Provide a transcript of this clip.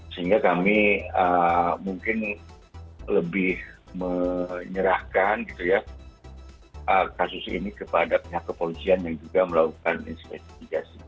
sehingga kami mungkin lebih menyerahkan kasus ini kepada pihak kepolisian yang juga melakukan investigasi